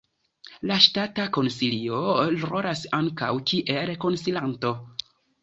La Ŝtata Konsilio rolas ankaŭ kiel konsilanto.